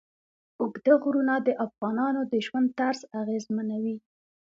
اوږده غرونه د افغانانو د ژوند طرز اغېزمنوي.